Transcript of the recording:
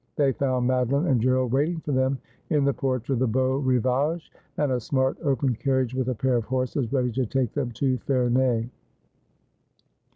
They found Madoline and Gerald waiting for them in the porch of the Beau Eivage, and a smart open carriage with a pair of horses ready to take them to Ferney.